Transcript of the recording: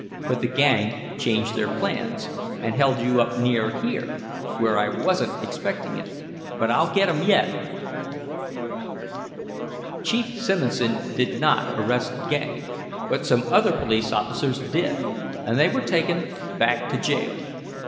But the gang changed their plans; and held you up near here, where I wasn't expecting it. But I'll get 'em yet." Chief Simonson did not arrest the gang, but some other police officers did, and they were taken back to jail.